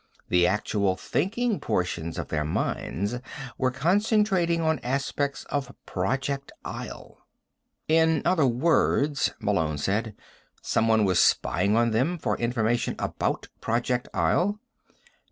The actual thinking portions of their minds were concentrating on aspects of Project Isle." "In other words," Malone said, "someone was spying on them for information about Project Isle?"